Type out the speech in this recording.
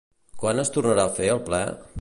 Quan es tornarà a fer el ple?